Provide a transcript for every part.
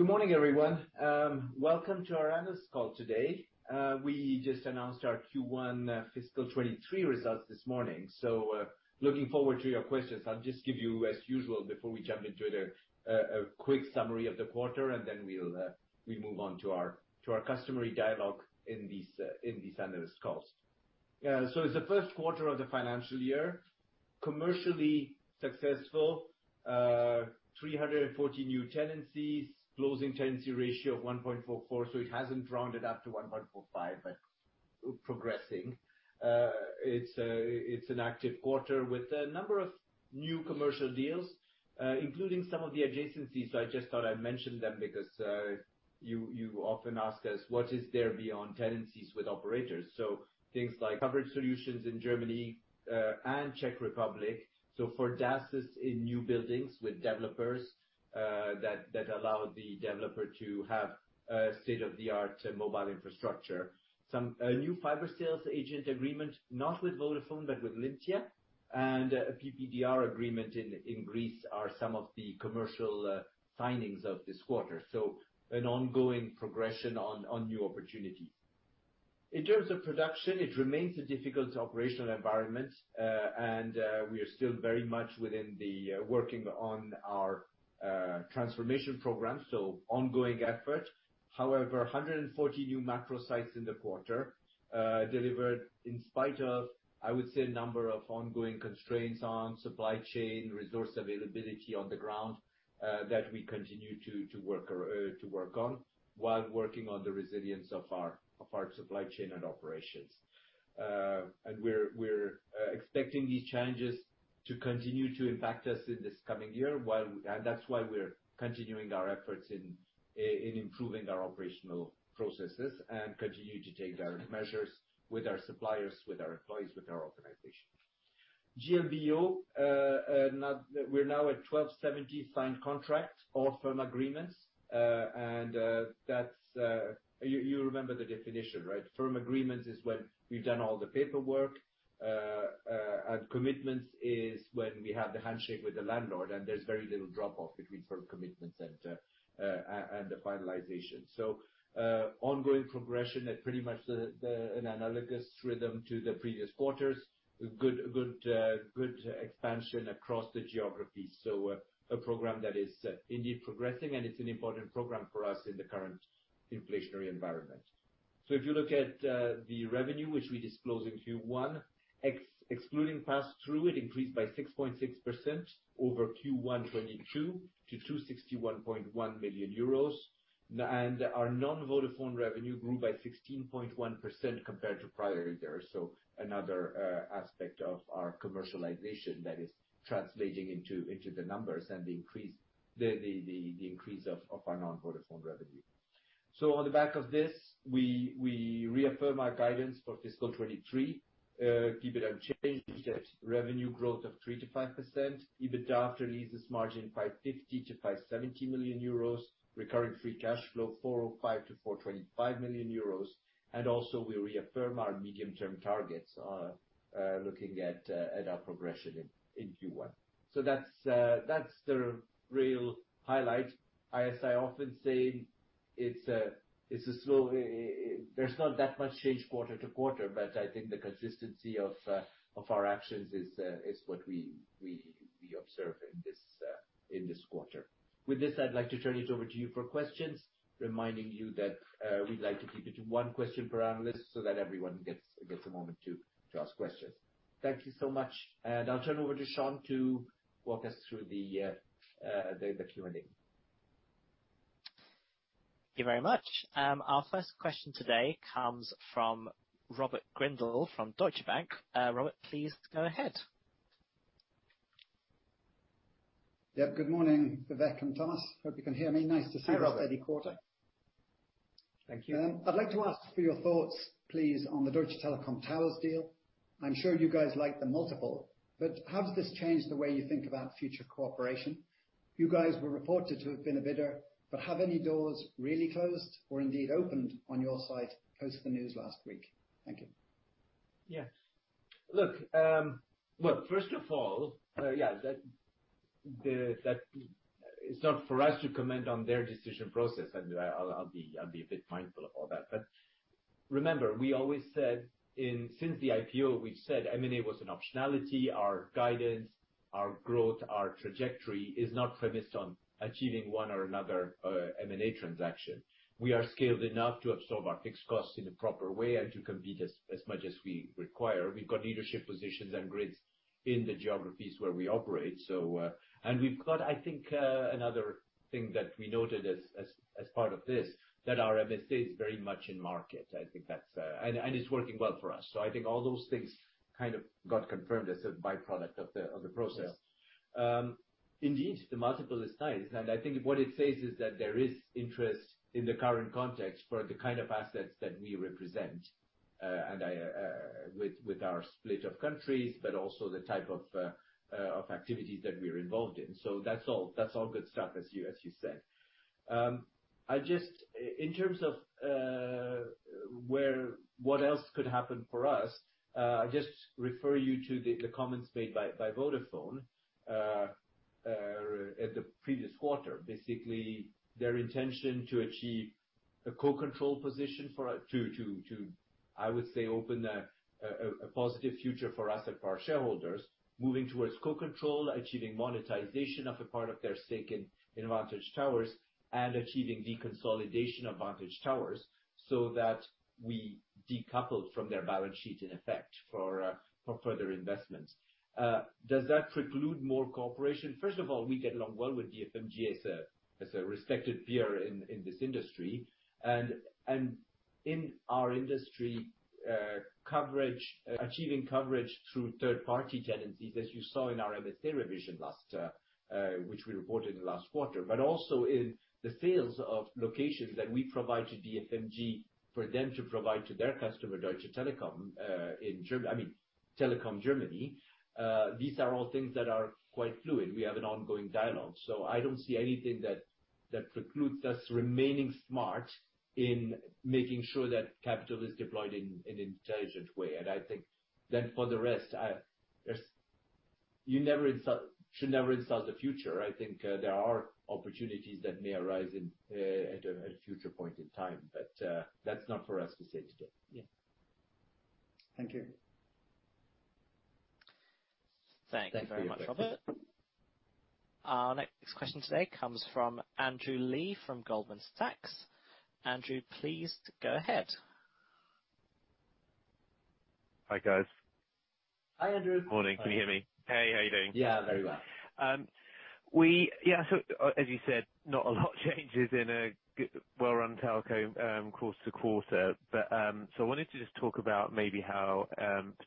Good morning, everyone. Welcome to our analyst call today. We just announced our Q1 fiscal 2023 results this morning. Looking forward to your questions. I'll just give you, as usual, before we jump into it, a quick summary of the quarter, and then we'll move on to our customary dialogue in these analyst calls. It's the Q1 of the financial year. Commercially successful. 340 new tenancies. Closing tenancy ratio of 1.44, so it hasn't rounded up to 1.45, but progressing. It's an active quarter with a number of new commercial deals, including some of the adjacencies. I just thought I'd mention them because you often ask us what is there beyond tenancies with operators. Things like coverage solutions in Germany and Czech Republic. For DASs in new buildings with developers that allow the developer to have a state-of-the-art mobile infrastructure. Some new fiber sales agent agreement, not with Vodafone, but with Lyntia. A PPDR agreement in Greece are some of the commercial signings of this quarter. An ongoing progression on new opportunities. In terms of production, it remains a difficult operational environment. We are still very much working on our transformation program, ongoing effort. However, 140 new macro sites in the quarter, delivered in spite of, I would say, a number of ongoing constraints on supply chain, resource availability on the ground, that we continue to work on, while working on the resilience of our supply chain and operations. We're expecting these challenges to continue to impact us in this coming year. That's why we're continuing our efforts in improving our operational processes and continue to take measures with our suppliers, with our employees, with our organization. GLBO. We're now at 1,270 signed contracts or firm agreements. That's. You remember the definition, right? Firm agreements is when we've done all the paperwork. Commitments is when we have the handshake with the landlord, and there's very little drop-off between firm commitments and the finalization. Ongoing progression at pretty much an analogous rhythm to the previous quarters. Good expansion across the geographies. A program that is indeed progressing, and it's an important program for us in the current inflationary environment. If you look at the revenue which we disclose in Q1, excluding pass-through, it increased by 6.6% over Q1 2022 to 261.1 million euros. Our non-Vodafone revenue grew by 16.1% compared to prior year. Another aspect of our commercialization that is translating into the numbers and the increase of our non-Vodafone revenue. On the back of this, we reaffirm our guidance for fiscal 2023, keep it unchanged at revenue growth of 3%-5%. EBITDA after leases margin, 550 million-570 million euros. Recurring free cash flow, 405 million-425 million euros. We reaffirm our medium-term targets, looking at our progression in Q1. That's the real highlight. As I often say, it's a slow. There's not that much change quarter to quarter, but I think the consistency of our actions is what we observe in this quarter. With this, I'd like to turn it over to you for questions. Reminding you that we'd like to keep it to one question per analyst so that everyone gets a moment to ask questions. Thank you so much. I'll turn over to Sean to walk us through the Q&A. Thank you very much. Our first question today comes from Robert Grindle from Deutsche Bank. Robert, please go ahead. Yep. Good morning, Vivek and Thomas. Hope you can hear me. Nice to see you this quarter. Hi, Robert. Thank you. I'd like to ask for your thoughts, please, on the Deutsche Telekom Towers deal. I'm sure you guys like the multiple, but has this changed the way you think about future cooperation? You guys were reported to have been a bidder, but have any doors really closed or indeed opened on your side post the news last week? Thank you. Yeah. Look, well, first of all, it's not for us to comment on their decision process. I'll be a bit mindful of all that. Remember, we always said since the IPO, we've said M&A was an optionality. Our guidance, our growth, our trajectory is not premised on achieving one or another M&A transaction. We are scaled enough to absorb our fixed costs in a proper way and to compete as much as we require. We've got leadership positions and leads in the geographies where we operate. We've got, I think, another thing that we noted as part of this, that our MSA is very much in market. I think that's. It's working well for us. I think all those things kind of got confirmed as a byproduct of the process. Indeed, the multiple is nice, and I think what it says is that there is interest in the current context for the kind of assets that we represent. And I, with our split of countries, but also the type of activities that we're involved in. That's all good stuff, as you said. I just in terms of what else could happen for us. I just refer you to the comments made by Vodafone at the previous quarter. Basically, their intention to achieve a co-control position to, I would say, open a positive future for us and for our shareholders. Moving towards co-control, achieving monetization of a part of their stake in Vantage Towers, and achieving deconsolidation of Vantage Towers so that we decouple from their balance sheet in effect for further investments. Does that preclude more cooperation? First of all, we get along well with DFMG as a respected peer in this industry. In our industry coverage, achieving coverage through third-party tenancies, as you saw in our MSA revision last, which we reported last quarter. Also in the sales of locations that we provide to DFMG for them to provide to their customer, Telekom Germany. These are all things that are quite fluid. We have an ongoing dialogue. I don't see anything that precludes us remaining smart in making sure that capital is deployed in an intelligent way. I think then for the rest, you should never insult the future. I think there are opportunities that may arise at a future point in time, but that's not for us to say today. Yeah. Thank you. Thank you very much, Robert. Our next question today comes from Andrew Lee from Goldman Sachs. Andrew, please go ahead. Hi, guys. Hi, Andrew. Morning. Can you hear me? Hey, how you doing? Yeah, very well. Yeah, as you said, not a lot changes in a well-run telco, course of the quarter. I wanted to just talk about maybe how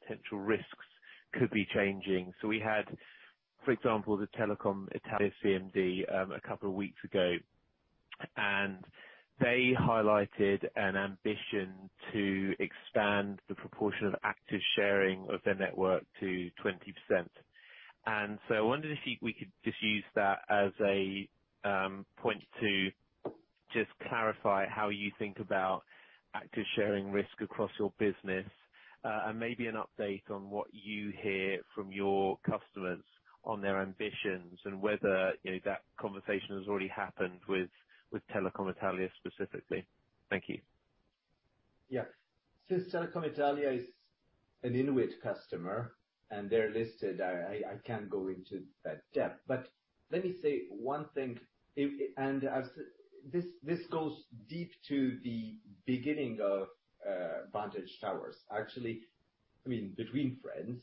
potential risks could be changing. We had, for example, the Telecom Italia CMD, a couple of weeks ago, and they highlighted an ambition to expand the proportion of active sharing of their network to 20%. I wondered if we could just use that as a point to just clarify how you think about active sharing risk across your business. Maybe an update on what you hear from your customers on their ambitions and whether, you know, that conversation has already happened with Telecom Italia specifically. Thank you. Yeah. Since Telecom Italia is an Inwit customer and they're listed, I can't go into that depth. Let me say one thing. This goes deep to the beginning of Vantage Towers. Actually, I mean, between friends,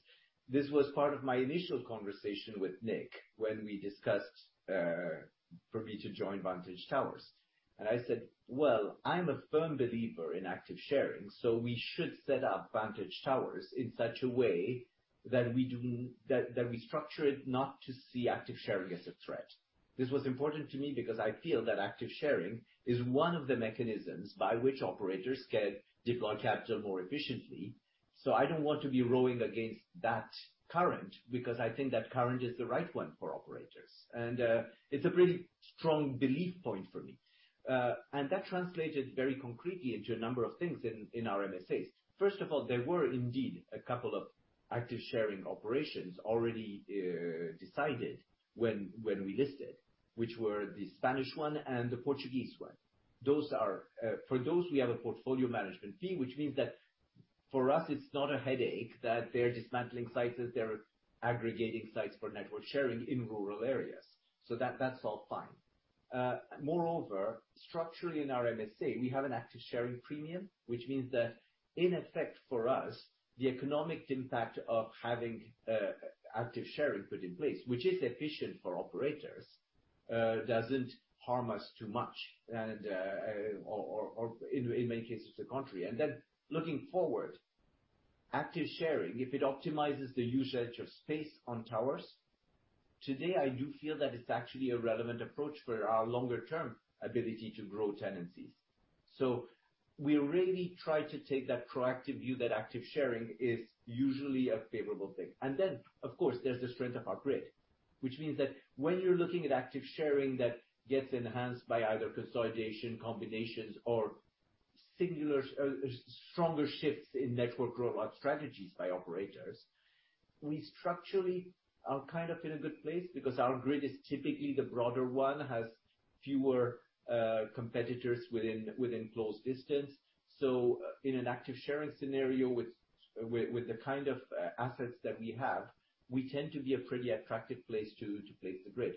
this was part of my initial conversation with Nick when we discussed for me to join Vantage Towers. I said, "Well, I'm a firm believer in active sharing, so we should set up Vantage Towers in such a way that we structure it not to see active sharing as a threat." This was important to me because I feel that active sharing is one of the mechanisms by which operators can deploy capital more efficiently. I don't want to be rowing against that current, because I think that current is the right one for operators. It's a pretty strong belief point for me. That translated very concretely into a number of things in our MSAs. First of all, there were indeed a couple of active sharing operations already decided when we listed, which were the Spanish one and the Portuguese one. Those are. For those, we have a portfolio management fee, which means that for us it's not a headache that they're dismantling sites, that they're aggregating sites for network sharing in rural areas. That's all fine. Moreover, structurally in our MSA, we have an active sharing premium, which means that in effect for us, the economic impact of having active sharing put in place, which is efficient for operators, doesn't harm us too much, and or in many cases, the contrary. Looking forward, active sharing, if it optimizes the usage of space on towers, today, I do feel that it's actually a relevant approach for our longer term ability to grow tenancies. We really try to take that proactive view that active sharing is usually a favorable thing. Of course, there's the strength of our grid, which means that when you're looking at active sharing that gets enhanced by either consolidation, combinations or singular, stronger shifts in network rollout strategies by operators, we structurally are kind of in a good place because our grid is typically the broader one, has fewer competitors within close distance. In an active sharing scenario with the kind of assets that we have, we tend to be a pretty attractive place to place the grid.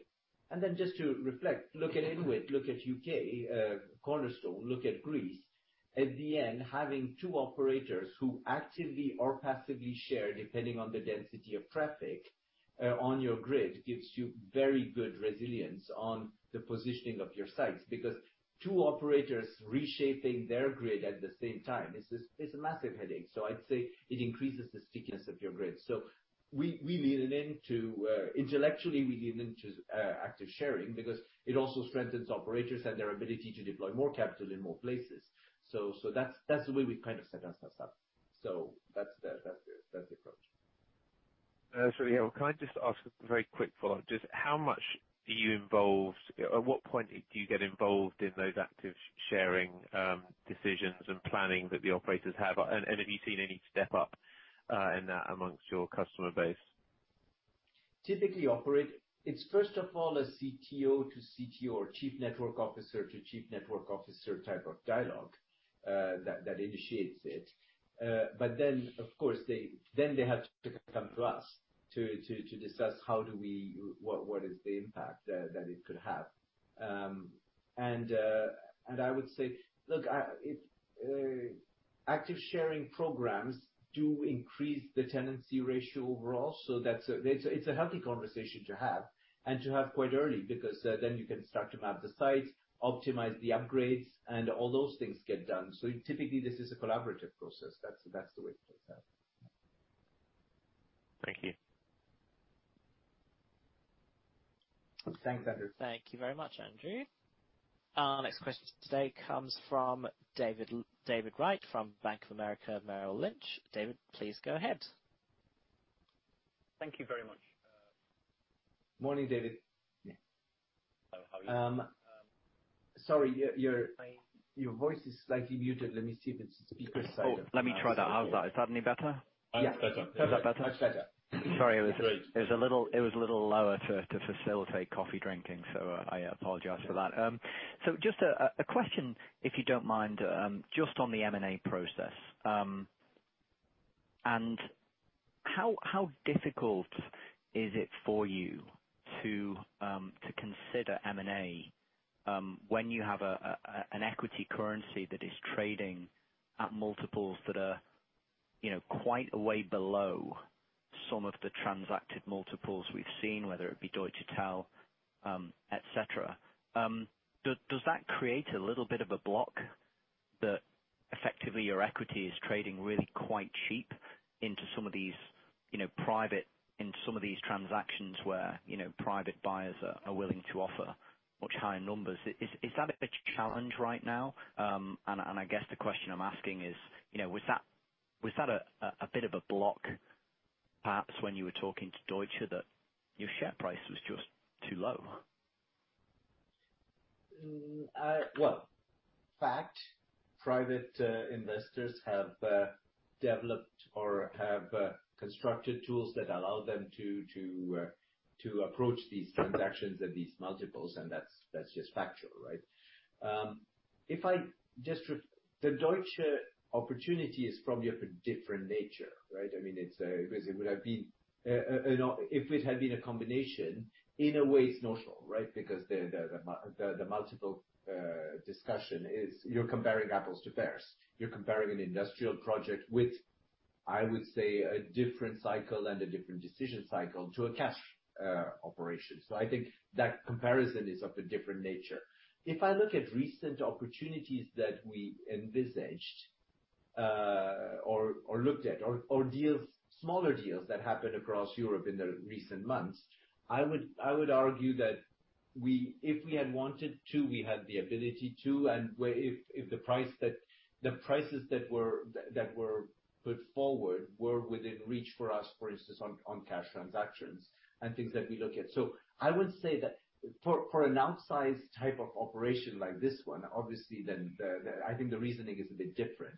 Just to reflect, look at Inwit, look at UK, Cornerstone, look at Greece. At the end, having two operators who actively or passively share, depending on the density of traffic on your grid, gives you very good resilience on the positioning of your sites. Because two operators reshaping their grid at the same time, it's a massive headache. I'd say it increases the stickiness of your grid. We lean into active sharing intellectually because it also strengthens operators and their ability to deploy more capital in more places. That's the way we've kind of set ourselves up. That's the approach. Sorry. Can I just ask a very quick follow-up? Just how much are you involved? At what point do you get involved in those active sharing decisions and planning that the operators have? And have you seen any step up in that amongst your customer base? It's first of all a CTO to CTO or chief network officer to chief network officer type of dialogue that initiates it. Of course they have to come to us to discuss what is the impact that it could have. I would say, look, active sharing programs do increase the tenancy ratio overall. That's a healthy conversation to have quite early because then you can start to map the sites, optimize the upgrades, and all those things get done. Typically this is a collaborative process. That's the way it plays out. Thank you. Thanks, Andrew. Thank you very much, Andrew. Our next question today comes from David Wright from Bank of America Merrill Lynch. David, please go ahead. Thank you very much. Morning, David. Yeah. Hello, how are you? Sorry, your voice is slightly muted. Let me see if it's speaker side. Let me try that. How's that? Is that any better? Yeah. That's better. Is that better? That's better. Sorry. Great. It was a little lower, too, to facilitate coffee drinking, so I apologize for that. Just a question, if you don't mind, just on the M&A process. How difficult is it for you to consider M&A when you have an equity currency that is trading at multiples that are, you know, quite a way below some of the transacted multiples we've seen, whether it be Deutsche Telekom, et cetera. Does that create a little bit of a block that effectively your equity is trading really quite cheap into some of these, you know, private, in some of these transactions where, you know, private buyers are willing to offer much higher numbers. Is that a challenge right now? I guess the question I'm asking is, you know, was that a bit of a block perhaps when you were talking to Deutsche that your share price was just too low? Well, in fact, private investors have developed or have constructed tools that allow them to approach these transactions at these multiples, and that's just factual, right? If I just refer to the Deutsche opportunity, it is probably of a different nature, right? I mean, it's because it would have been an option if it had been a combination, in a way it's notional, right? Because the multiple discussion is, you're comparing apples to pears. You're comparing an industrial project with, I would say, a different cycle and a different decision cycle to a cash operation. I think that comparison is of a different nature. If I look at recent opportunities that we envisaged, or looked at or deals, smaller deals that happened across Europe in the recent months, I would argue that we, if we had wanted to, we had the ability to, and if the prices that were put forward were within reach for us, for instance, on cash transactions and things that we look at. I would say that for an outsized type of operation like this one, obviously then the reasoning is a bit different.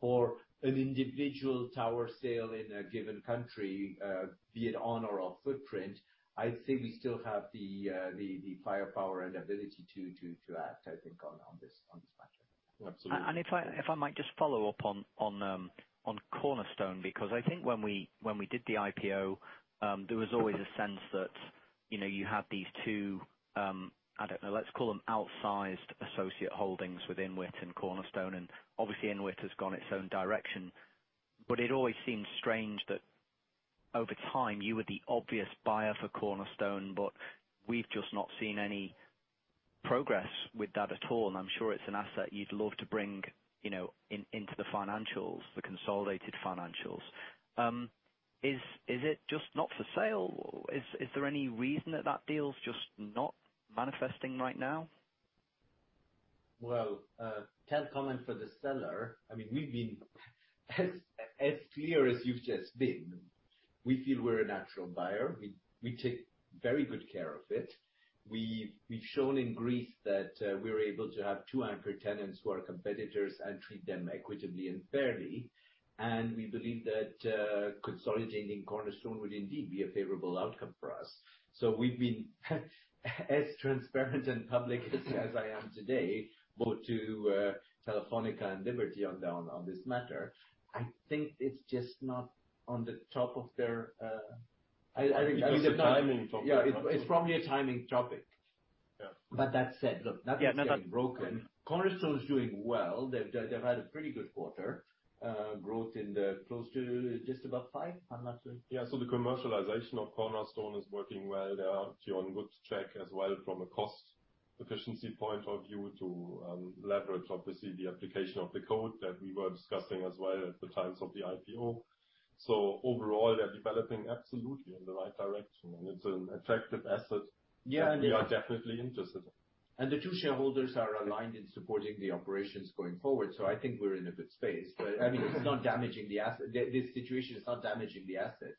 For an individual tower sale in a given country, be it on or off footprint, I'd say we still have the firepower and ability to act, I think, on this matter. Absolutely. If I might just follow up on Cornerstone, because I think when we did the IPO, there was always a sense that, you know, you have these two, I don't know, let's call them outsized associate holdings within Inwit and Cornerstone, and obviously Inwit has gone its own direction. It always seems strange that over time you were the obvious buyer for Cornerstone, but we've just not seen any progress with that at all, and I'm sure it's an asset you'd love to bring, you know, into the financials, the consolidated financials. Is it just not for sale? Is there any reason that that deal's just not manifesting right now? Well, can't comment for the seller. I mean, we've been as clear as you've just been. We feel we're a natural buyer. We take very good care of it. We've shown in Greece that we're able to have two anchor tenants who are competitors and treat them equitably and fairly. We believe that consolidating Cornerstone would indeed be a favorable outcome for us. We've been as transparent and public as I am today, both to Telefónica and Liberty on down on this matter. I think it's just not on the top of their. I think- Because the timing for. Yeah. It's probably a timing topic. Yeah. That said, look, nothing's getting broken. Yeah. No. Cornerstone is doing well. They've had a pretty good quarter. Growth in the close to just about 5%. Thomas, right? Yeah. The commercialization of Cornerstone is working well. They are actually on good track as well from a cost efficiency point of view to leverage obviously the application of the code that we were discussing as well at the time of the IPO. Overall, they're developing absolutely in the right direction, and it's an attractive asset. Yeah. We are definitely interested. The two shareholders are aligned in supporting the operations going forward, so I think we're in a good space. I mean, it's not damaging the asset. This situation is not damaging the asset.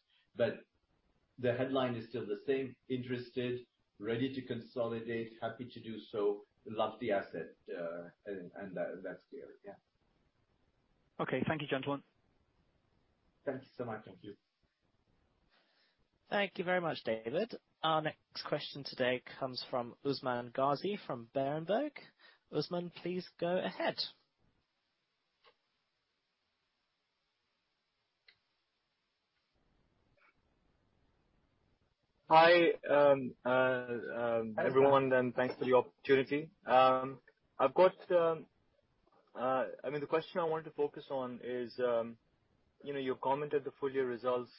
The headline is still the same. Interested, ready to consolidate, happy to do so, love the asset, and that's clear. Yeah. Okay. Thank you, gentlemen. Thank you so much. Thank you. Thank you very much, David. Our next question today comes from Usman Ghazi from Berenberg. Usman, please go ahead. Hi, everyone, and thanks for the opportunity. I've got, I mean, the question I wanted to focus on is, you know, you commented the full year results,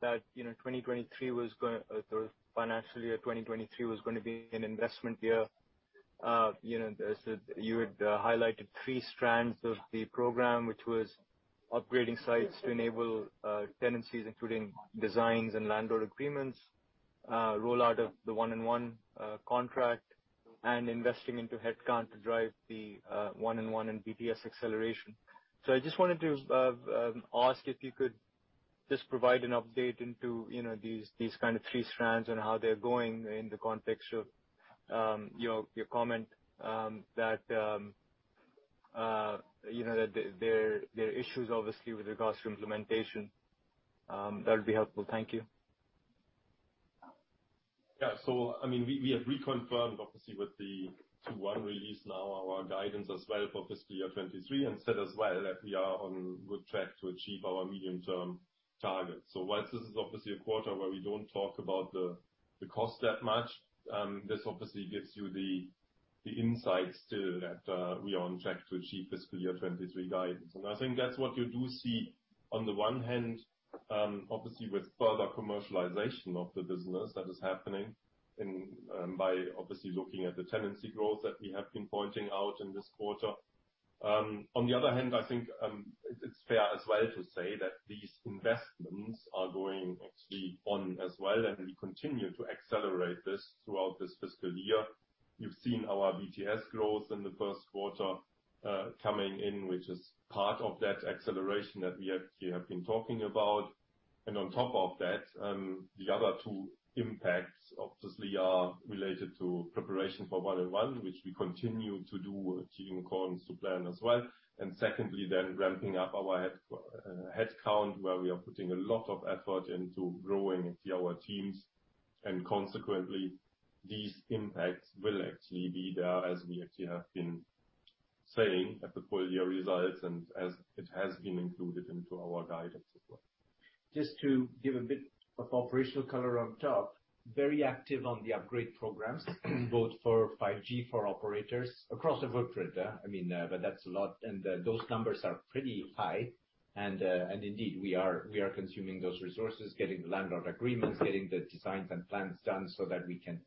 that, you know, 2023 was gonna, or financial year 2023 was gonna be an investment year. You know, as you had highlighted three strands of the program, which was upgrading sites to enable tenancies, including designs and landlord agreements, rollout of the 1&1 contract, and investing into headcount to drive the 1&1 and BTS acceleration. I just wanted to ask if you could just provide an update on these kind of three strands and how they're going in the context of your comment that you know that there are issues obviously with regards to implementation. That would be helpful. Thank you. Yeah. I mean, we have reconfirmed obviously with the Q1 release now our guidance as well for fiscal year 2023, and said as well that we are on good track to achieve our medium-term targets. While this is obviously a quarter where we don't talk about the cost that much. This obviously gives you the insights to that we are on track to achieve fiscal year 2023 guidance. I think that's what you do see on the one hand, obviously with further commercialization of the business that is happening and by obviously looking at the tenancy growth that we have been pointing out in this quarter. On the other hand, I think it's fair as well to say that these investments are going actually on as well, and we continue to accelerate this throughout this fiscal year. You've seen our BTS growth in the Q1, coming in, which is part of that acceleration that we have, we have been talking about. On top of that, the other two impacts obviously are related to preparation for 1&1, which we continue to do, achieving according to plan as well. Secondly then ramping up our headcount, where we are putting a lot of effort into growing our teams, and consequently these impacts will actually be there as we actually have been saying at the full year results and as it has been included into our guidance as well. Just to give a bit of operational color on top, very active on the upgrade programs, both for 5G, for operators across the footprint. I mean, but that's a lot, and indeed, we are consuming those resources, getting the landlord agreements, getting the designs and plans done so that we can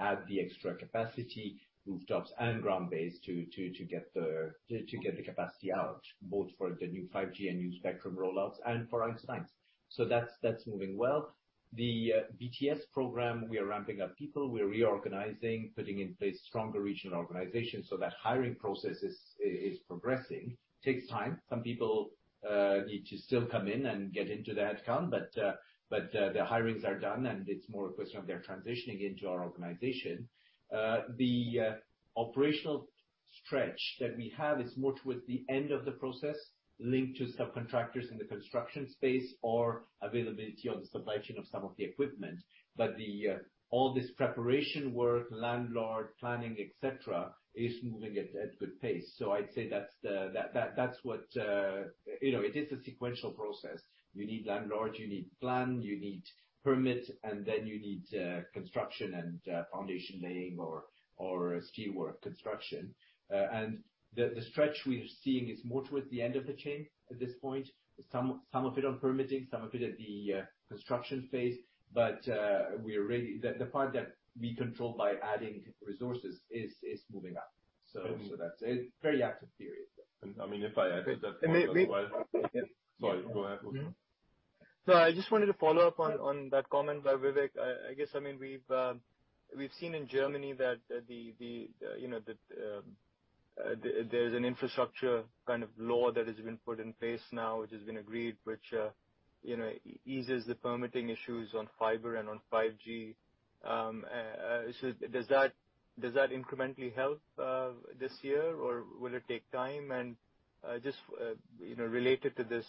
add the extra capacity, rooftops and ground base to get the capacity out, both for the new 5G and new spectrum rollouts and for 1&1. That's moving well. The BTS program, we are ramping up people, we're reorganizing, putting in place stronger regional organizations so that hiring process is progressing. Takes time. Some people need to still come in and get into the headcount, but the hirings are done, and it's more a question of their transitioning into our organization. The operational stretch that we have is more towards the end of the process linked to subcontractors in the construction space or availability on the supply chain of some of the equipment. All this preparation work, landlord planning, et cetera, is moving at good pace. I'd say that's what you know it is a sequential process. You need landlord, you need plan, you need permit, and then you need construction and foundation laying or steel work construction. The stretch we are seeing is more towards the end of the chain at this point. Some of it on permitting, some of it at the construction phase. We are ready. The part that we control by adding resources is moving up. That's it. Very active period. I mean, if I add that point as well. Sorry, go ahead, Usman. No, I just wanted to follow up on that comment by Vivek. I guess, I mean, we've seen in Germany that the you know there's an infrastructure law that has been put in place now, which has been agreed, which you know eases the permitting issues on fiber and on 5G. So does that incrementally help this year, or will it take time? Just you know related to this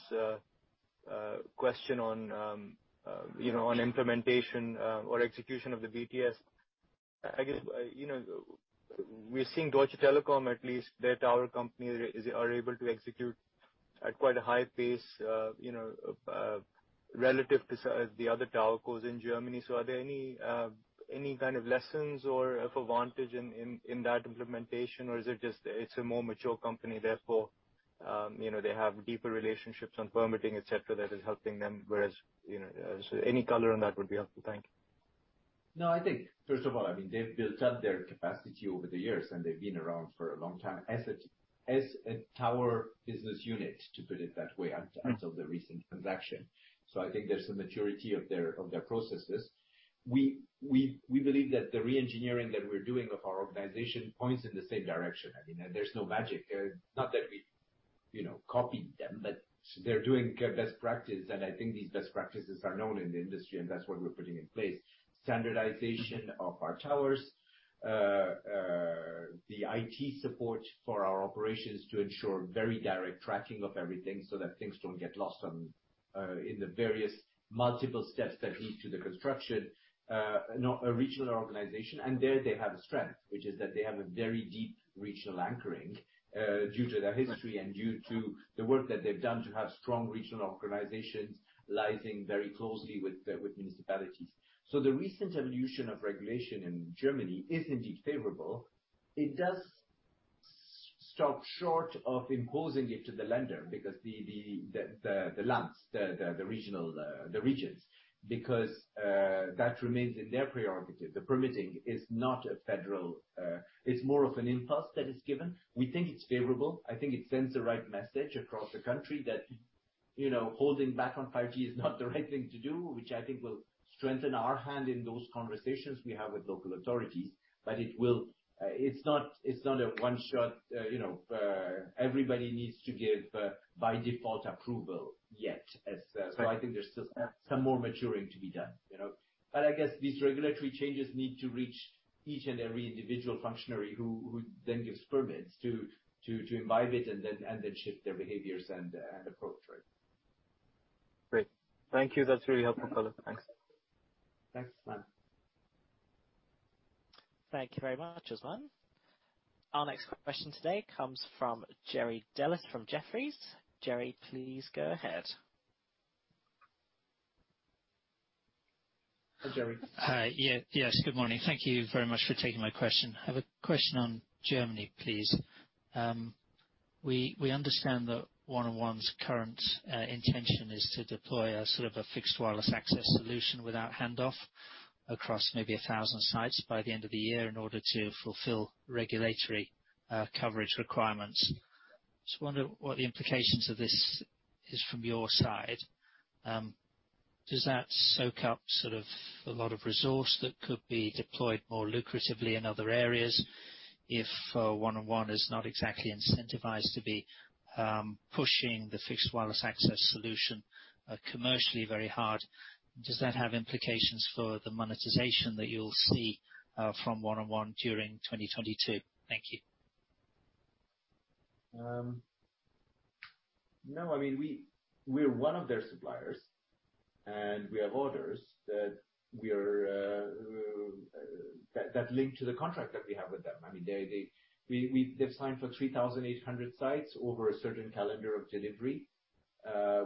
question on you know on implementation or execution of the BTS, I guess you know we're seeing Deutsche Telekom, at least their tower company is able to execute at quite a high pace you know relative to the other telcos in Germany. Are there any kind of lessons or advantage in that implementation? Or is it just it's a more mature company, therefore, you know, they have deeper relationships on permitting, et cetera, that is helping them? Whereas, you know, any color on that would be helpful. Thank you. No, I think first of all, I mean, they've built up their capacity over the years, and they've been around for a long time as a tower business unit, to put it that way, as of the recent transaction. I think there's a maturity of their processes. We believe that the re-engineering that we're doing of our organization points in the same direction. I mean, there's no magic. Not that we, you know, copy them, but they're doing best practice, and I think these best practices are known in the industry, and that's what we're putting in place. Standardization of our towers, the IT support for our operations to ensure very direct tracking of everything so that things don't get lost in the various multiple steps that lead to the construction. Our original organization, and there they have a strength, which is that they have a very deep regional anchoring, due to their history and due to the work that they've done to have strong regional organizations liaising very closely with municipalities. The recent evolution of regulation in Germany is indeed favorable. It does stop short of imposing it to the Länder because that remains in their prerogative. The permitting is not a federal. It's more of an impulse that is given. We think it's favorable. I think it sends the right message across the country that, you know, holding back on 5G is not the right thing to do, which I think will strengthen our hand in those conversations we have with local authorities. It will. It's not a one shot, you know, everybody needs to give by default approval yet. Right. I think there's still some more maturing to be done, you know. I guess these regulatory changes need to reach each and every individual functionary who then gives permits to imbibe it and then shift their behaviors and approach. Right. Great. Thank you. That's really helpful, Vivek. Thanks. Thanks. Thank you very much, Usman. Our next question today comes from Jerry Dellis from Jefferies. Jerry, please go ahead. Hi, Jerry. Hi. Yeah. Yes, good morning. Thank you very much for taking my question. I have a question on Germany, please. We understand that 1&1's current intention is to deploy a sort of a fixed wireless access solution without handoff across maybe 1,000 sites by the end of the year in order to fulfill regulatory coverage requirements. Just wonder what the implications of this is from your side. Does that soak up sort of a lot of resource that could be deployed more lucratively in other areas if 1&1 is not exactly incentivized to be pushing the fixed wireless access solution commercially very hard? Does that have implications for the monetization that you'll see from 1&1 during 2022? Thank you. No. I mean, we're one of their suppliers, and we have orders that link to the contract that we have with them. I mean, they've signed for 3,800 sites over a certain calendar of delivery,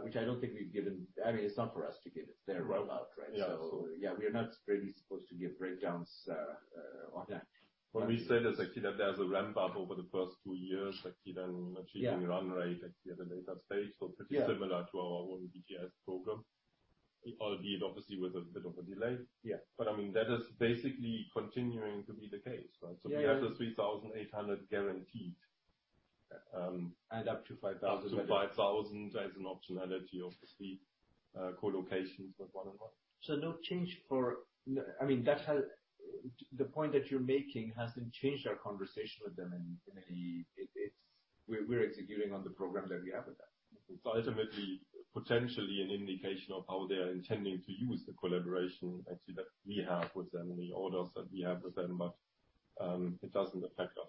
which I don't think we've given. I mean, it's not for us to give it. Their rollout. Yeah. Yeah, we are not really supposed to give breakdowns on that. What we said is actually that there's a ramp up over the first two years, like even achieving run rate at the other later stage. Yeah. Pretty similar to our own BTS program, albeit obviously with a bit of a delay. Yeah. I mean, that is basically continuing to be the case, right? Yeah. We have the 3,800 guaranteed. Up to 5000. Up to 5,000 as an optionality of the speed, co-location with 1&1. I mean, the point that you're making hasn't changed our conversation with them. We're executing on the program that we have with them. It's ultimately potentially an indication of how they are intending to use the collaboration actually that we have with them and the orders that we have with them, but, it doesn't affect us.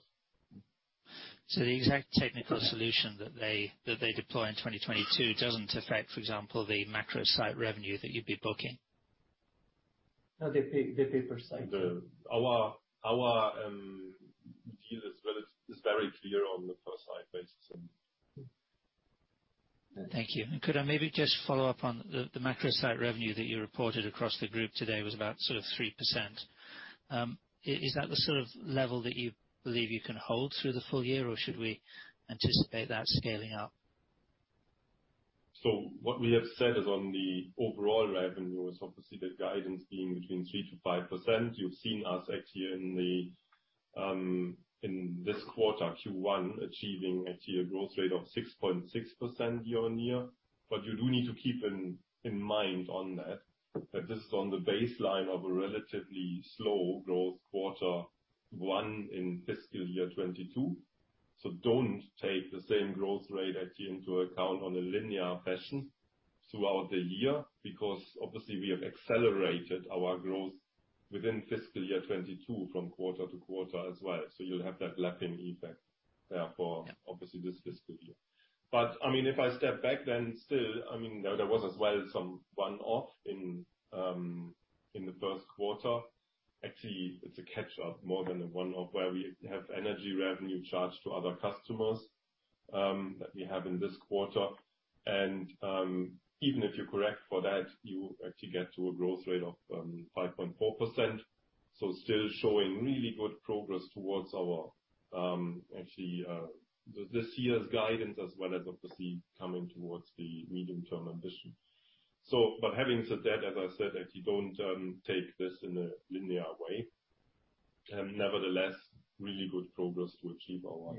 The exact technical solution that they deploy in 2022 doesn't affect, for example, the macro site revenue that you'd be booking. No, they pay per site. Our deal is, well, it's very clear on the per site basis and Thank you. Could I maybe just follow up on the macro site revenue that you reported across the group today was about sort of 3%. Is that the sort of level that you believe you can hold through the full year, or should we anticipate that scaling up? What we have said is on the overall revenue is obviously the guidance being between 3%-5%. You've seen us actually in the in this quarter, Q1, achieving actually a growth rate of 6.6% year-on-year. But you do need to keep in mind on that this is on the baseline of a relatively slow growth quarter one in fiscal year 2022. Don't take the same growth rate actually into account on a linear fashion throughout the year because obviously we have accelerated our growth within fiscal year 2022 from quarter to quarter as well. You'll have that lapping effect therefore. Yeah. Obviously this fiscal year. I mean, if I step back then still, I mean, there was as well some one-off in the Q1. Actually, it's a catch up more than a one-off where we have energy revenue charged to other customers that we have in this quarter. Even if you correct for that, you actually get to a growth rate of 5.4%. Still showing really good progress towards our, actually, this year's guidance as well as obviously coming towards the medium term ambition. But having said that, as I said, actually don't take this in a linear way. Nevertheless, really good progress to achieve our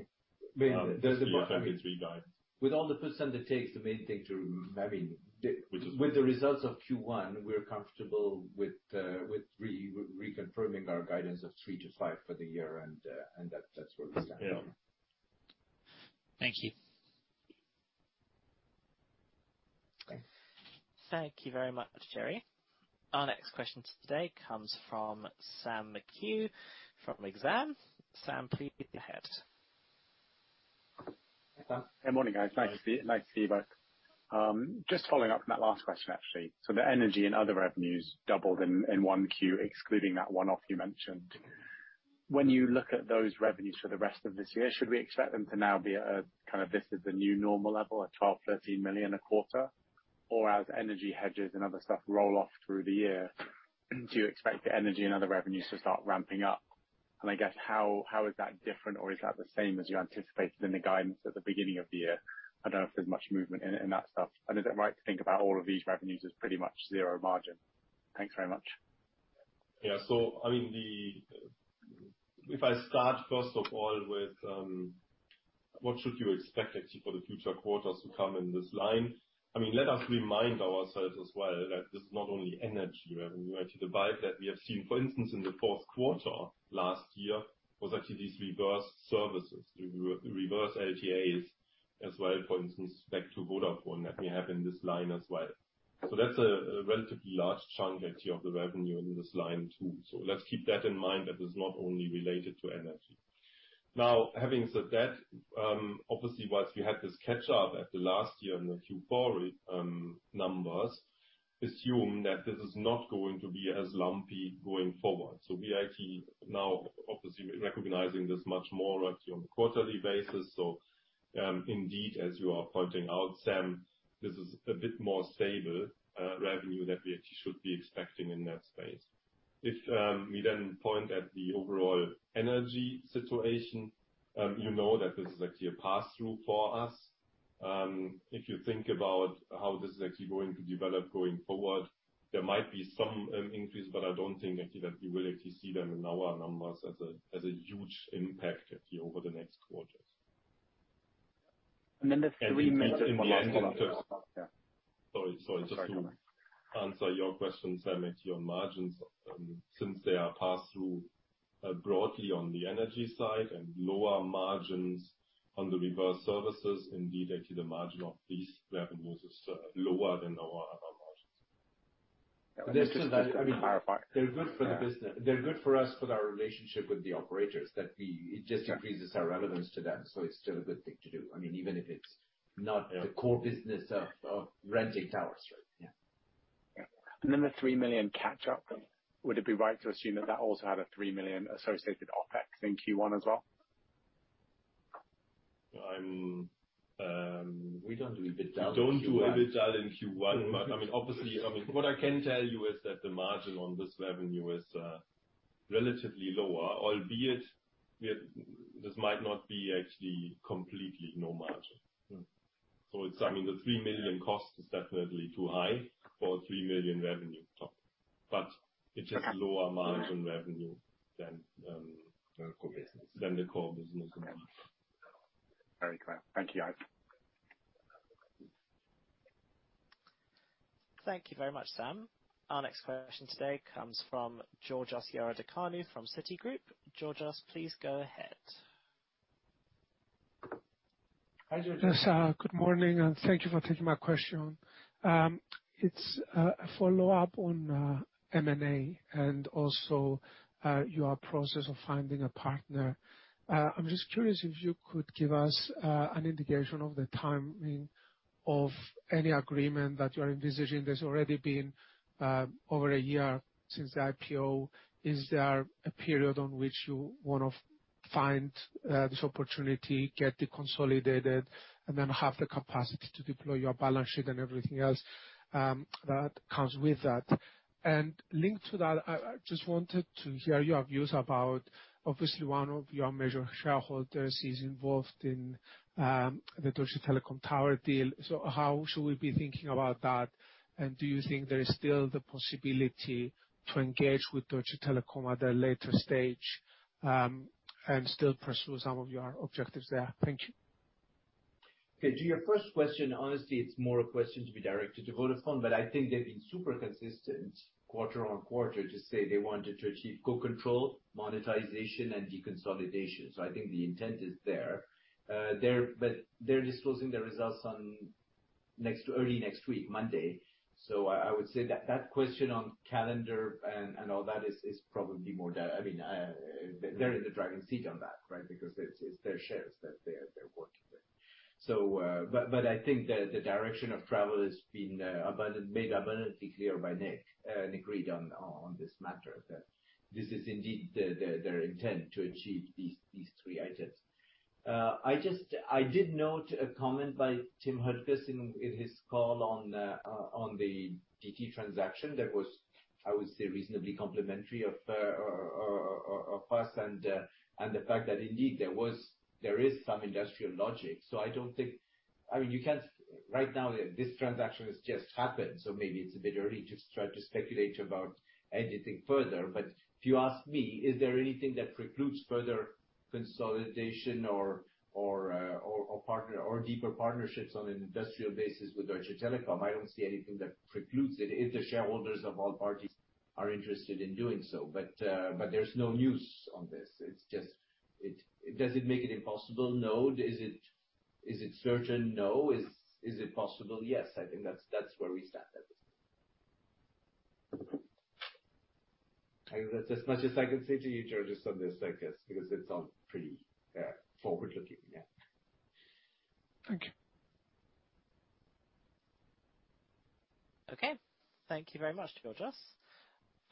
guide. With all the patience it takes, the main thing to, I mean. Which is. With the results of Q1, we're comfortable with reconfirming our guidance of 3%-5% for the year and that's where we stand. Yeah. Thank you. Thank you very much, Jerry. Our next question today comes from Sam McHugh from Exane. Sam, please go ahead. Good morning, guys. Nice to see you both. Just following up from that last question, actually. The energy and other revenues doubled in one Q, excluding that one-off you mentioned. When you look at those revenues for the rest of this year, should we expect them to now be at a kind of this is the new normal level, at 12-13 million a quarter? As energy hedges and other stuff roll off through the year, do you expect the energy and other revenues to start ramping up? I guess how is that different or is that the same as you anticipated in the guidance at the beginning of the year? I don't know if there's much movement in that stuff. Is it right to think about all of these revenues as pretty much zero margin? Thanks very much. Yeah. I mean, if I start first of all with what should you expect actually for the future quarters to come in this line? I mean, let us remind ourselves as well that it's not only energy revenue. Actually, the bite that we have seen, for instance, in the Q4r last year was actually these reverse services, the reverse LTAs as well, for instance, back to Vodafone that we have in this line as well. So that's a relatively large chunk actually of the revenue in this line too. Let's keep that in mind, that it's not only related to energy. Now, having said that, obviously, while we had this catch-up in the last year in the Q4 numbers, assume that this is not going to be as lumpy going forward. We are actually now obviously recognizing this much more actually on a quarterly basis. Indeed, as you are pointing out, Sam, this is a bit more stable revenue that we actually should be expecting in that space. If we then point at the overall energy situation, you know that this is actually a pass-through for us. If you think about how this is actually going to develop going forward, there might be some increase, but I don't think actually that we will actually see them in our numbers as a huge impact actually over the next quarters. The 3 million. In the end. One last one. Sorry. Just to answer your question, Sam, actually on margins, since they are pass-through, broadly on the energy side and lower margins on the reverse services, indeed, actually the margin of these revenues is lower than our other margins. Can I just? They're good for the business. They're good for us for our relationship with the operators. It just increases our relevance to them, so it's still a good thing to do. I mean, even if it's not the core business of renting towers, right? Yeah. Yeah. The 3 million catch-up, would it be right to assume that that also had a 3 million associated OpEx in Q1 as well? I'm. We don't do EBITDA in Q1. We don't do EBITDA in Q1. I mean, obviously, I mean, what I can tell you is that the margin on this revenue is relatively lower, albeit this might not be actually completely no margin. It's, I mean, the 3 million cost is definitely too high for a 3 million revenue. It's just lower margin revenue than The core business. Than the core business. Very clear. Thank you. Thank you very much, Sam. Our next question today comes from Georgios Ierodiaconou from Citigroup. Georgios, please go ahead. Hi, Georgios. Yes, good morning, and thank you for taking my question. It's a follow-up on M&A and also your process of finding a partner. I'm just curious if you could give us an indication of the timing of any agreement that you're envisaging. There's already been over a year since the IPO. Is there a period on which you want to find this opportunity, get it consolidated, and then have the capacity to deploy your balance sheet and everything else that comes with that? Linked to that, I just wanted to hear your views about, obviously one of your major shareholders is involved in the Deutsche Telekom tower deal. How should we be thinking about that? Do you think there is still the possibility to engage with Deutsche Telekom at a later stage, and still pursue some of your objectives there? Thank you. Okay. To your first question, honestly, it's more a question to be directed to Vodafone, but I think they've been super consistent quarter on quarter to say they wanted to achieve co-control, monetization, and deconsolidation. I think the intent is there. But they're disclosing their results early next week, Monday. I would say that question on calendar and all that is probably more dead. I mean, they're in the driving seat on that, right? Because it's their shares that they're working with. But I think the direction of travel has been made abundantly clear by Nick and agreed on this matter, that this is indeed their intent to achieve these three items. I did note a comment by Timotheus Höttges in his call on the DT transaction that was, I would say, reasonably complimentary of us and the fact that indeed there is some industrial logic. I don't think. I mean, you can't. Right now, this transaction has just happened, so maybe it's a bit early to try to speculate about anything further. If you ask me, is there anything that precludes further consolidation or deeper partnerships on an industrial basis with Deutsche Telekom? I don't see anything that precludes it if the shareholders of all parties are interested in doing so. There's no news on this. Does it make it impossible? No. Is it certain? No. Is it possible? Yes. I think that's where we stand at this point. I think that's as much as I can say to you, Georgios, on this, I guess, because it's all pretty forward-looking. Yeah. Thank you. Okay. Thank you very much, Georgios.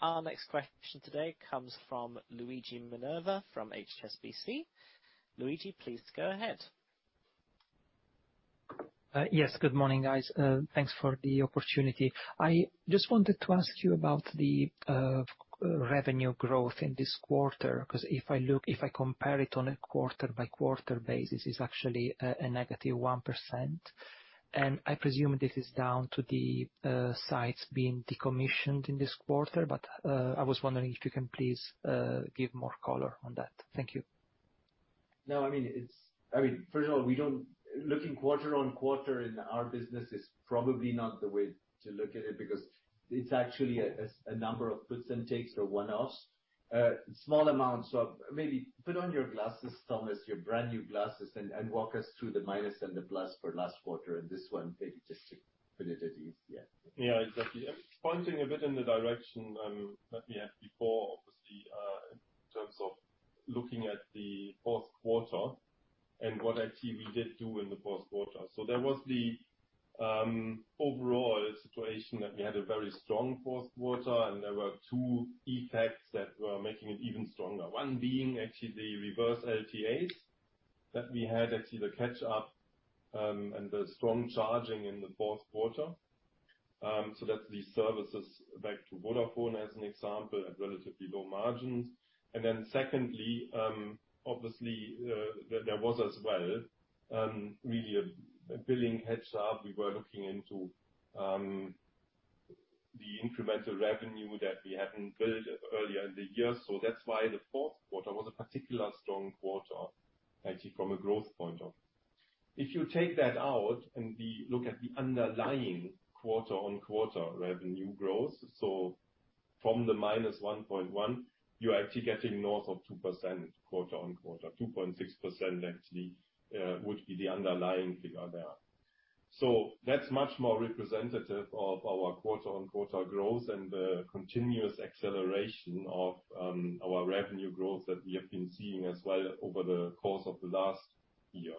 Our next question today comes from Luigi Minerva from HSBC. Luigi, please go ahead. Yes. Good morning, guys. Thanks for the opportunity. I just wanted to ask you about the revenue growth in this quarter, 'cause if I look if I compare it on a quarter-by-quarter basis, it's actually a negative 1%. I presume this is down to the sites being decommissioned in this quarter. I was wondering if you can please give more color on that. Thank you. No, I mean, it's. I mean, first of all, looking quarter-on-quarter in our business is probably not the way to look at it because it's actually a number of puts and takes for one-offs. Small amounts, maybe. Put on your glasses, Thomas, your brand-new glasses, and walk us through the minus and the plus for last quarter and this one, maybe, just to put it at ease. Yeah. Yeah. Exactly. Pointing a bit in the direction that we had before, obviously, in terms of looking at the Q4 and what actually we did do in the Q4. There was the overall situation that we had a very strong Q4, and there were two effects that were making it even stronger. One being actually the reverse LTAs that we had actually the catch-up and the strong charging in the Q4. That's the services backlog to Vodafone as an example at relatively low margins. Secondly, obviously, there was as well really a billing heads-up. We were looking into the incremental revenue that we hadn't billed earlier in the year. That's why the Q4 was a particularly strong quarter actually from a growth point of view. If you take that out look at the underlying quarter-on-quarter revenue growth, so from the -1.1, you're actually getting north of 2% quarter on quarter. 2.6% actually would be the underlying figure there. That's much more representative of our quarter-on-quarter growth and the continuous acceleration of our revenue growth that we have been seeing as well over the course of the last year.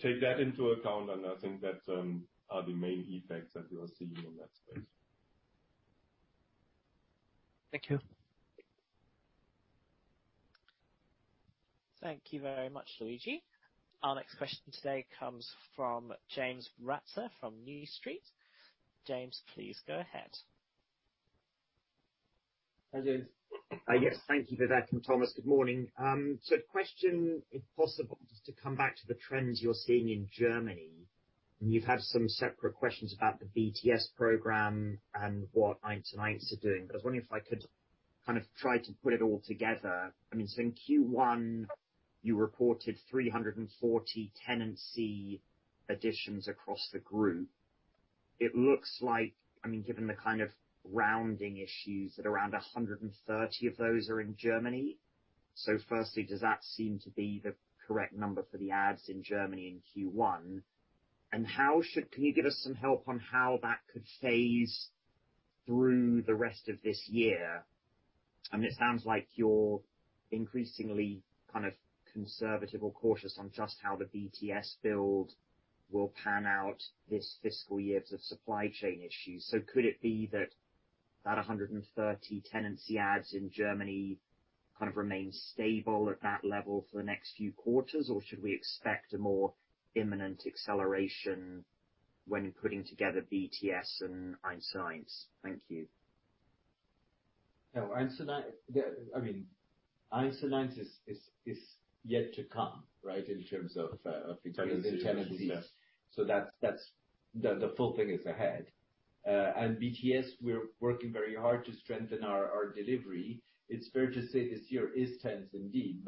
Take that into account, and I think that's are the main effects that you are seeing in that space. Thank you. Thank you very much, Luigi. Our next question today comes from James Ratzer from New Street Research. James, please go ahead. Hello. Yes. Thank you for that, and Thomas, good morning. Question, if possible, just to come back to the trends you're seeing in Germany, and you've had some separate questions about the BTS program and what 1&1 Netz are doing. I was wondering if I could kind of try to put it all together. I mean, in Q1, you reported 340 tenancy additions across the group. It looks like, I mean, given the kind of rounding issues that around 130 of those are in Germany. Firstly, does that seem to be the correct number for the adds in Germany in Q1? Can you give us some help on how that could phase through the rest of this year? I mean, it sounds like you're increasingly kind of conservative or cautious on just how the BTS build will pan out this fiscal year because of supply chain issues. Could it be that 130 tenancy adds in Germany kind of remain stable at that level for the next few quarters? Should we expect a more imminent acceleration when putting together BTS and 1&1 Netz? Thank you. No, 1&1, I mean, 1&1 Netz is yet to come, right? In terms of the tenancies. The tenancies. The full thing is ahead. BTS, we're working very hard to strengthen our delivery. It's fair to say this year is tense indeed,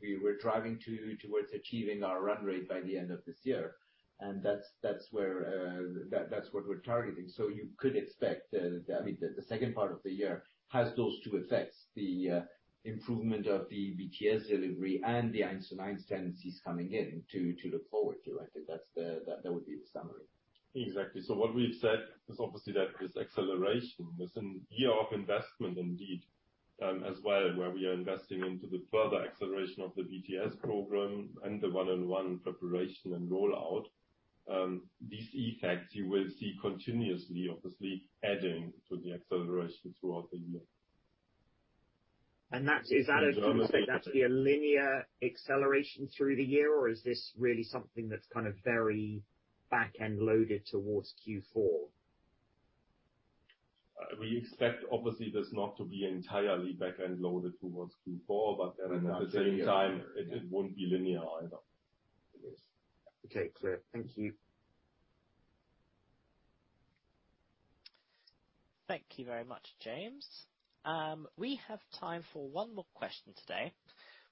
we were driving towards achieving our run rate by the end of this year. That's where that's what we're targeting. You could expect, I mean, the second part of the year has those two effects, the improvement of the BTS delivery and the 1&1 Netz tenancies coming in to look forward to. I think that would be the summary. Exactly. What we've said is obviously that this acceleration is a year of investment indeed, as well, where we are investing into the further acceleration of the BTS program and the 1&1 preparation and rollout. These effects you will see continuously, obviously, adding to the acceleration throughout the year. And that's. In terms of. Do you think that'll be a linear acceleration through the year, or is this really something that's kind of very back-end loaded towards Q4? We expect obviously this not to be entirely back-end loaded towards Q4, but then. Not linear. At the same time, it won't be linear either. Okay. Clear. Thank you. Thank you very much, James. We have time for one more question today,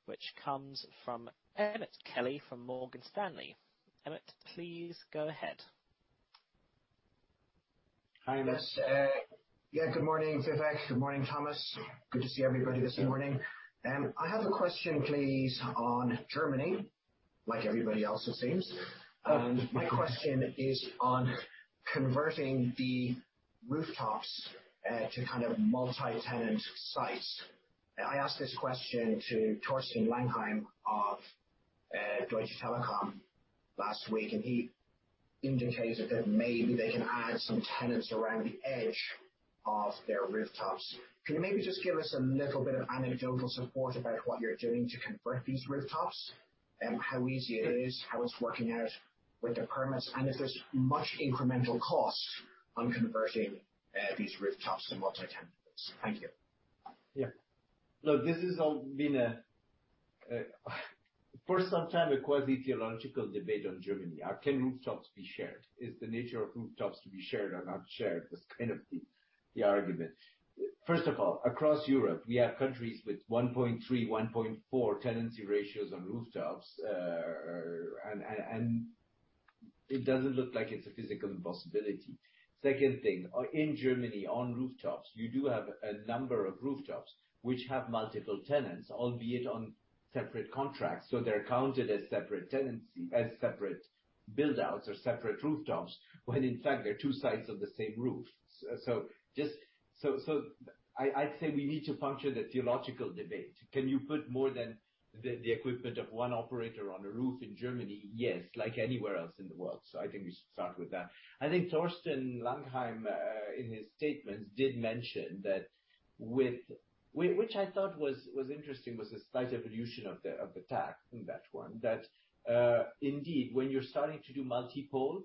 which comes from Emmet Kelly from Morgan Stanley. Emmet, please go ahead. Hi, yes. Yeah, good morning, Vivek. Good morning, Thomas. Good to see everybody this morning. I have a question please on Germany, like everybody else it seems. My question is on converting the rooftops to kind of multi-tenant sites. I asked this question to Thorsten Langheim of Deutsche Telekom last week, and he indicated that maybe they can add some tenants around the edge of their rooftops. Can you maybe just give us a little bit of anecdotal support about what you're doing to convert these rooftops and how easy it is, how it's working out with the permits, and if there's much incremental cost on converting these rooftops to multi-tenancy? Thank you. Yeah. Look, this has all been, for some time, a quasi-theological debate on Germany. Can rooftops be shared? Is the nature of rooftops to be shared or not shared? That's kind of the argument. First of all, across Europe, we have countries with 1.3, 1.4 tenancy ratios on rooftops. It doesn't look like it's a physical impossibility. Second thing, in Germany on rooftops, you do have a number of rooftops which have multiple tenants, albeit on separate contracts, so they're counted as separate tenancies as separate build-outs or separate rooftops, when in fact they're two sides of the same roof. I'd say we need to puncture the theological debate. Can you put more than the equipment of one operator on a roof in Germany? Yes, like anywhere else in the world. I think we should start with that. I think Thorsten Langheim in his statements did mention that which I thought was interesting was a slight evolution of the tack in that one that indeed when you're starting to do multipole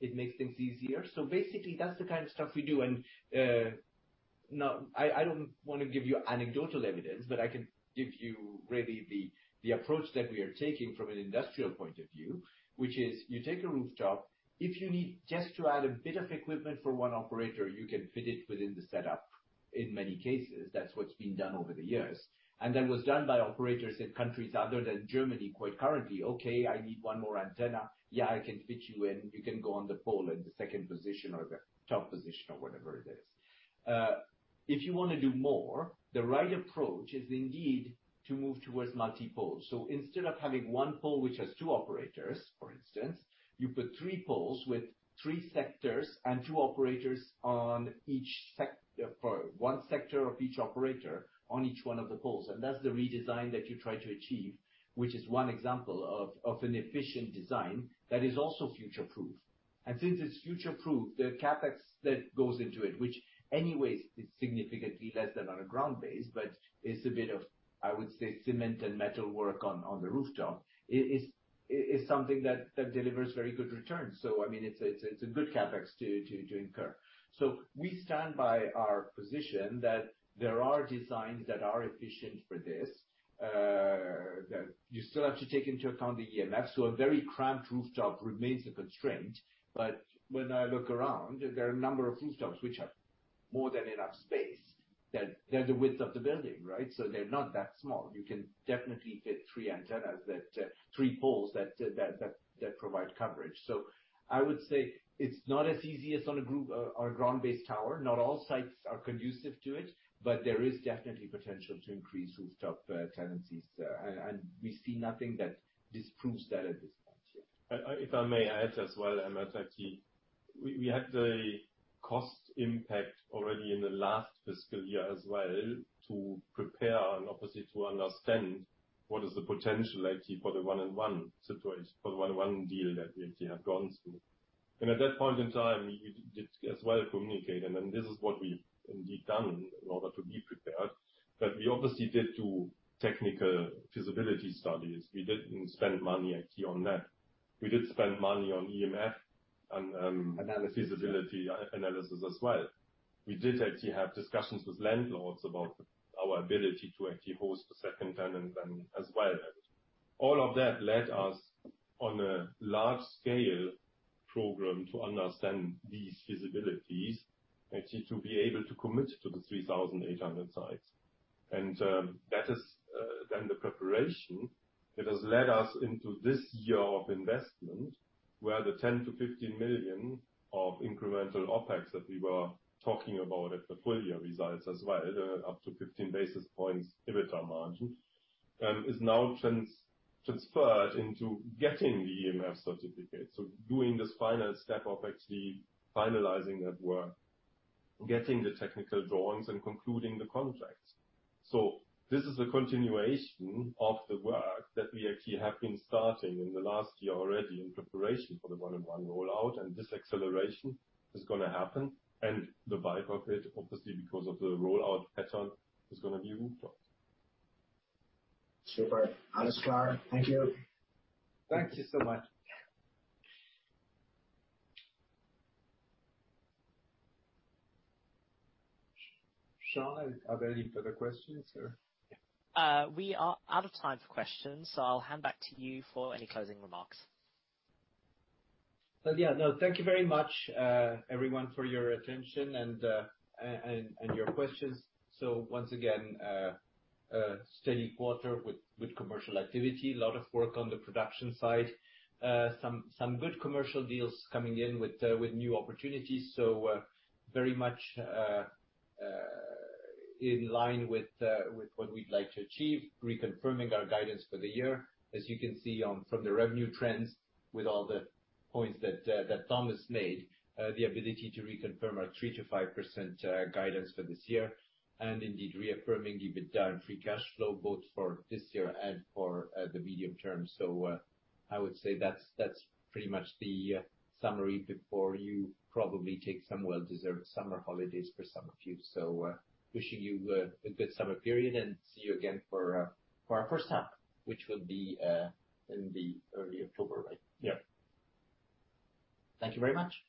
it makes things easier. Basically that's the kind of stuff we do. Now I don't wanna give you anecdotal evidence but I can give you really the approach that we are taking from an industrial point of view which is you take a rooftop. If you need just to add a bit of equipment for one operator you can fit it within the setup in many cases. That's what's been done over the years. That was done by operators in countries other than Germany quite correctly. Okay, I need one more antenna." "Yeah, I can fit you in. You can go on the pole in the second position or the top position or whatever it is." If you wanna do more, the right approach is indeed to move towards multipoles. Instead of having one pole which has two operators, for instance, you put three poles with three sectors and two operators on each, for one sector of each operator on each one of the poles. That's the redesign that you try to achieve, which is one example of an efficient design that is also future-proof. Since it's future-proof, the CapEx that goes into it, which anyways is significantly less than on a ground-based, but it's a bit of, I would say, cement and metal work on the rooftop. It is something that delivers very good returns. I mean, it's a good CapEx to incur. We stand by our position that there are designs that are efficient for this. That you still have to take into account the EMF, a very cramped rooftop remains a constraint. When I look around, there are a number of rooftops which have more than enough space, that they're the width of the building, right? They're not that small. You can definitely fit three antennas, three poles that provide coverage. I would say it's not as easy as on a group or a ground-based tower. Not all sites are conducive to it, but there is definitely potential to increase rooftop tenancies. We see nothing that disproves that at this point here. If I may add as well, Emmet, actually, we had the cost impact already in the last fiscal year as well to prepare and obviously to understand what is the potential actually for the 1&1 situation, for the 1&1 deal that we actually have gone through. At that point in time, we did as well communicate, and then this is what we indeed done in order to be prepared. We obviously did do technical feasibility studies. We didn't spend money actually on that. We did spend money on EMF and. Analysis. Feasibility analysis as well. We did actually have discussions with landlords about our ability to actually host a second tenant then as well. All of that led us to a large-scale program to understand these feasibilities, actually to be able to commit to the 3,800 sites. That is then the preparation that has led us into this year of investment, where the 10-15 million of incremental OpEx that we were talking about at the full-year results as well, up to 15 basis points EBITDAaL margin, is now transferred into getting the EMF certificate. Doing this final step of actually finalizing that work, getting the technical drawings, and concluding the contracts. This is a continuation of the work that we actually have been starting in the last year already in preparation for the 1&1 rollout, and this acceleration is gonna happen. The vibe of it, obviously because of the rollout pattern, is gonna be rooftop. Super. Alles klar. Thank you. Thank you so much. Sean, are there any further questions, or? We are out of time for questions, so I'll hand back to you for any closing remarks. Well, yeah. No, thank you very much, everyone for your attention and your questions. Once again, a steady quarter with commercial activity, a lot of work on the production side. Some good commercial deals coming in with new opportunities. Very much in line with what we'd like to achieve, reconfirming our guidance for the year. As you can see from the revenue trends with all the points that Thomas made, the ability to reconfirm our 3%-5% guidance for this year and indeed reaffirming the EBITDA and free cash flow both for this year and for the medium term. I would say that's pretty much the summary before you probably take some well-deserved summer holidays for some of you. Wishing you a good summer period and see you again for our first half, which will be in the early October, right? Yeah. Thank you very much.